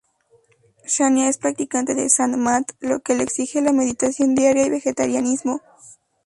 Shania es practicante de Sant Mat, lo que le exige meditación diaria y vegetarianismo.